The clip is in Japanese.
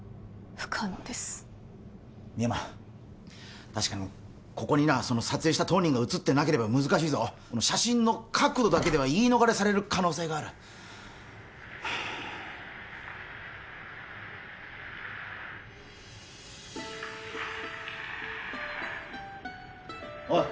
深山確かにここにな撮影した当人が写ってなければ難しいぞ写真の角度だけでは言い逃れされる可能性があるおい